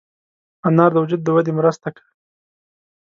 انار د وجود د ودې مرسته کوي.